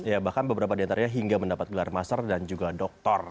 ya bahkan beberapa di antaranya hingga mendapat gelar master dan juga doktor